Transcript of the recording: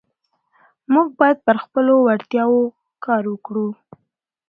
موږ باید پر خپلو وړتیاوو کار وکړو